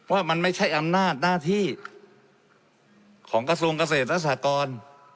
ว่ามันไม่ใช่อำนาจหน้าที่ของกระทรวงเกษตรและสากร